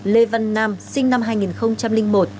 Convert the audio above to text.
lê văn nam sinh năm hai nghìn một